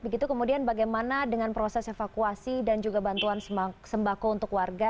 begitu kemudian bagaimana dengan proses evakuasi dan juga bantuan sembako untuk warga